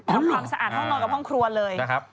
ทำความสะอาดห้องนอนกับห้องครัวเลยนะครับ